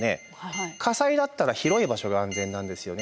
火災だったら広い場所が安全なんですよね。